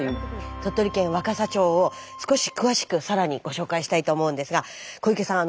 鳥取県若桜町を少し詳しく更にご紹介したいと思うんですが小池さん